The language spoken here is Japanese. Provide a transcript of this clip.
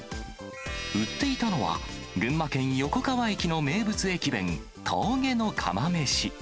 売っていたのは群馬県横川駅の名物駅弁、峠の釜めし。